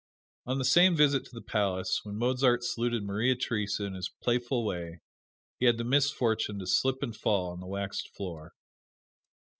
On the same visit to the palace, when Mozart saluted Maria Theresa in his playful way, he had the misfortune to slip and fall on the waxed floor.